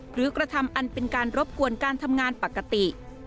กระทำอันเป็นการรบกวนการทำงานปกติ